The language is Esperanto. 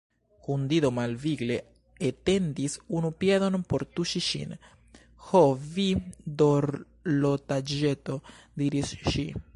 Hundido malvigle etendis unu piedon por tuŝi ŝin. "Ho, vi dorlotaĵeto," diris ŝi.